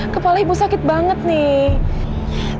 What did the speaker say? kepala ibu sakit banget nih